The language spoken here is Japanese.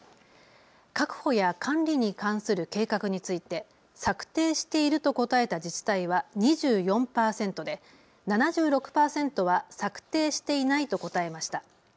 確保や管理に関する計画について策定していると答えた自治体は２４％で、７６％は策定していないと答えました。